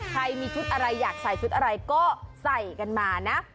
ใครมีชุดอะไรอยากใส่ชุดอะไรก็ใส่กันมานะ